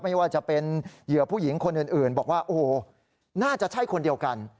ไม่ว่าจะเป็นเหยื่อผู้หญิงคนอื่นบอกว่าโอ้โหน่าจะใช่คนเดียวกัน